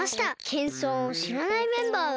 けんそんをしらないメンバーが。